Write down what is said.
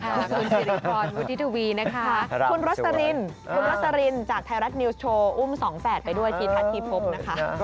ชุดสีรีปรอตวูดดี้ทุวีนะคะคุณอรัชสะลินจากไทยรัฐนิวส์โชว์อุ้มสองแฝดไปด้วยที่ทัศน์ทีพพรนะคะ